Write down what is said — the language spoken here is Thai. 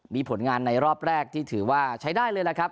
มีผลงานในรอบแรกที่ถือว่าใช้ได้เลยล่ะครับ